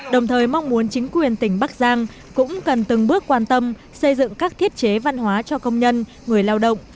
đồng thời mong muốn chính quyền tỉnh bắc giang cũng cần từng bước quan tâm xây dựng các thiết chế văn hóa cho công nhân người lao động